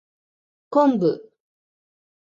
昆布